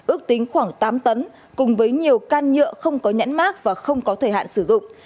ước tính khoảng tám tấn cùng với nhiều can nhựa không có nhãn mát và không có thời hạn sử dụng